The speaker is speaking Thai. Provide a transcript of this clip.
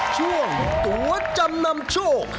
ช่วงตัวจำนำโชค